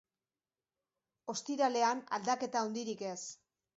Ostiralean, aldaketa handirik ez.